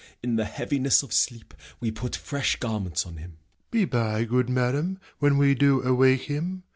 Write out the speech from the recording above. In the heaviness of sleep We put fresh garments on him. Doct. Be by, good madam, when we do awake him.